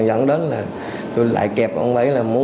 dẫn đến là tôi lại kẹp ông phải là muốn